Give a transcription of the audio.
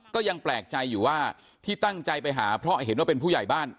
ก็ยังแปลกใจอยู่ว่าที่ตั้งใจไปหาเพราะเห็นว่าเป็นผู้ใหญ่บ้าน